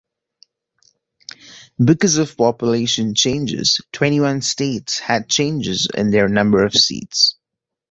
Because of population changes, twenty-one states had changes in their number of seats.